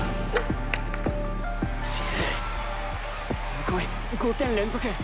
すごい５点連続！